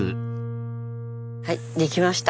はい出来ました。